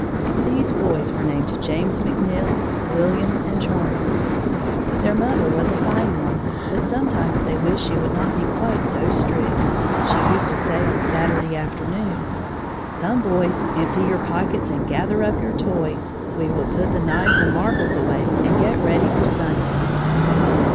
These boys were named James McNeill, William, and Charles. Their mother was a fine woman, but sometimes they wished she would not be quite so strict. She used to say on Saturday afternoons: "Come, boys, empty your pockets and gather up your toys; we will put the knives and marbles away and get ready for Sunday."